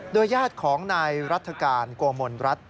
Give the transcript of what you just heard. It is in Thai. โดยญาติของนายรัฐการกวมมนรัด